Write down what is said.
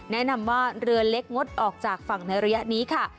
แนะนำว่าเรือเล็กงดออกจากฝั่งในระยะนี้ค่ะ